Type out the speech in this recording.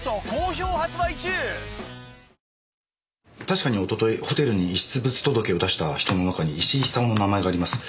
確かにおとといホテルに遺失物届を出した人の中に石井久雄の名前があります。